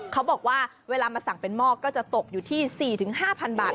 เขาบอกว่าเวลามาสั่งเป็นหม้อก็จะตกอยู่ที่๔๕๐๐บาท